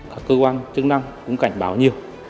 các cơ quan chức năng cũng cảnh báo nhiều